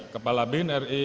kepala bin ri